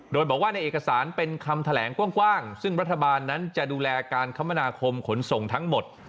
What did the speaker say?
โดยบอกว่าในเอกสารเป็นคำแถลงกว้างซึ่งรัฐบาลนั้นจะดูแลการคมนาคมขนส่งทั้งหมด